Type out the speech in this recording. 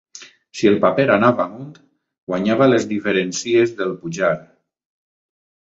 Si el paper anava amunt, guanyava les diferencies del pujar